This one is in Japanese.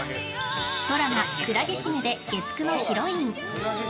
ドラマ「海月姫」で月９のヒロイン。